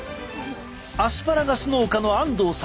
アスパラガス農家の安東さん。